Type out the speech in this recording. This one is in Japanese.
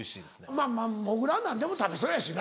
まぁまぁもぐらは何でも食べそうやしな。